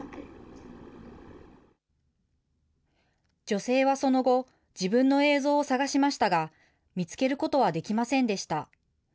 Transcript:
女性はその後、自分の映像を探しましたが、見つけることはできませんでした。